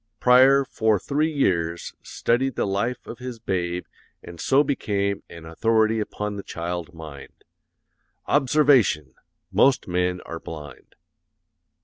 Preyer for three years studied the life of his babe and so became an authority upon the child mind. Observation! Most men are blind.